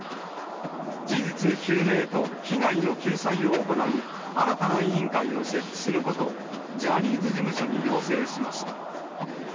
事実究明と被害の救済を行う新たな委員会を設置することを、ジャニーズ事務所に要請しました。